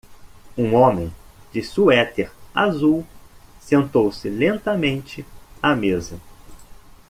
Um homem de suéter azul sentou-se lentamente à mesa.